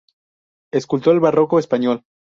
Escultor barroco español.